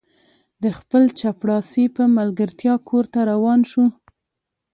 د خپل چپړاسي په ملګرتیا کور ته روان شو.